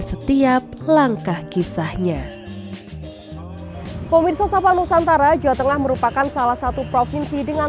setiap langkah kisahnya pemirsa sapa nusantara jawa tengah merupakan salah satu provinsi dengan